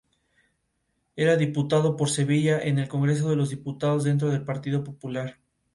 Era "diputado" por Sevilla en el Congreso de los Diputados dentro del Partido Popular.